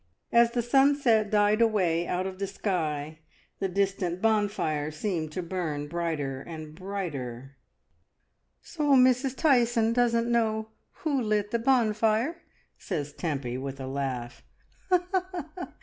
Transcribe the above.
As the sunset died away out of the sky, the distant bonfire seemed to burn brighter and brighter. "So Mrs. Tyson doesn't know who lit the bon fire," says Tempy with a laugh.